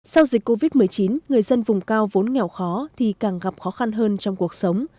sau dịch covid một mươi chín người dân vùng cao vốn nghèo khó thì càng gặp khó khăn hơn trong cuộc sống